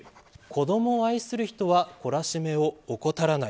子どもを愛する人は懲らしめを怠らない。